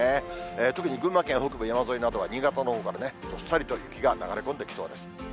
特に群馬県北部山沿いなどは、新潟のほうからね、どっさりと雪が流れ込んできそうです。